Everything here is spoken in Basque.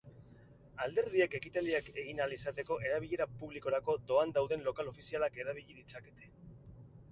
Alderdiek ekitaldiak egin ahal izateko erabilera publikorako doan dauden lokal ofizialak erabili ditzakete.